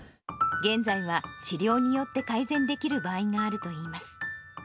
現在は治療によって改善できる場合があるといいます。